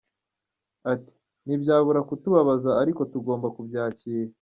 Ati "Ntibyabura kutubabaza ariko tugomba kubyakira.